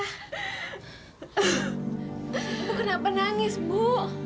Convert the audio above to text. bu kenapa nangis bu